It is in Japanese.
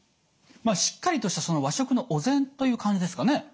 まあしっかりとした和食のお膳という感じですかね。